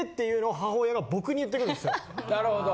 なるほど。